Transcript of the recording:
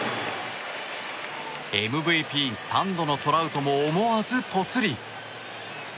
ＭＶＰ３度のトラウトも思わず、ぽつり。